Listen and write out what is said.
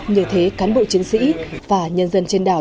như thế cán bộ chiến sĩ và nhân dân trên đảo